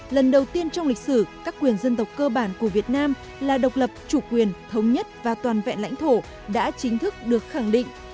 lần đầu tiên trong lịch sử các quyền dân tộc cơ bản của việt nam là độc lập chủ quyền thống nhất và toàn vẹn lãnh thổ đã chính thức được khẳng định